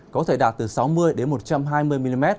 có thể đạt từ sáu mươi đến một trăm hai mươi mm